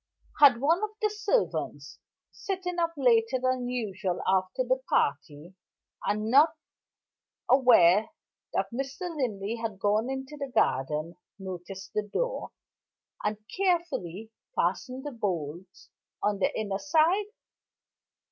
Had one of the servants sitting up later than usual after the party, and not aware that Mr. Linley had gone into the garden noticed the door, and carefully fastened the bolts on the inner side?